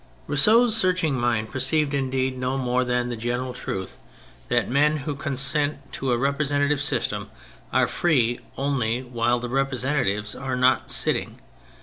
Rousseau's searching mind perceived indeed 28 THE FRENCH REVOLUTION no more than the general truth that men who consent to a representative system are free only while the representatives are not sitting.